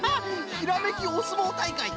「ひらめきおすもうたいかい！」